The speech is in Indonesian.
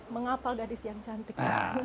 mengapa gadis yang cantik